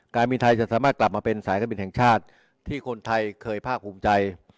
การบินไทยจะสามารถกลับมาเป็นสายการบินแห่งชาติที่คนไทยเคยภาคภูมิใจ